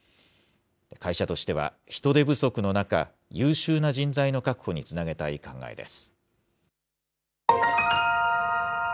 会社としては、人手不足の中、優秀な人材の確保につなげたい考えです。